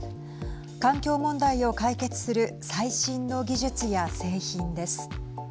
環境問題を解決する最新の技術や製品です。